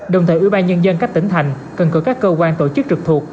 đồng thời ủy ban nhân dân các tỉnh thành cần cử các cơ quan tổ chức trực thuộc